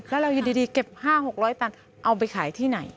แล้วเรายุคนิดดิเก็บ๕๐๐๖๐๐ตันเอาไปขายที่ไหน